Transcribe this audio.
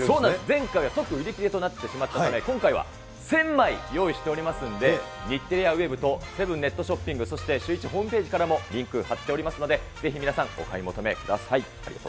前回は即売り切れとなってしまったため、今回は１０００枚用意しておりますので、日テレ屋Ｗｅｂとそして、シューイチホームページからも、リンク貼っておりますので、ぜひ皆さん、お買い求めください。